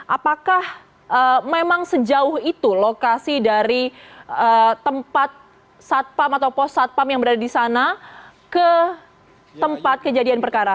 apakah memang sejauh itu lokasi dari tempat satpam atau pos satpam yang berada di sana ke tempat kejadian perkara